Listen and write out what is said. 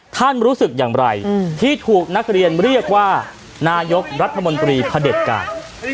รู้สึกอย่างไรที่ถูกนักเรียนเรียกว่านายกรัฐมนตรีพระเด็จการ